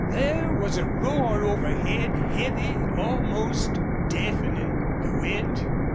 There was a roar overhead, heavy, almost deafening. The wind!